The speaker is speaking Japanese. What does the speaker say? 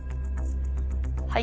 はい。